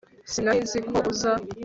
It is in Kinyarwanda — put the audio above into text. sinari nzi ko uza